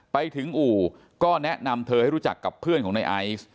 ไปถึงอู่ก็แนะนำเธอให้รู้จักกับเพื่อนของในไอซ์